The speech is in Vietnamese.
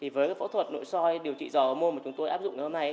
với phẫu thuật nội soi điều trị giò hậu môn mà chúng tôi áp dụng hôm nay